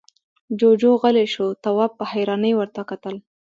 جُوجُو غلی شو، تواب په حيرانۍ ورته کتل…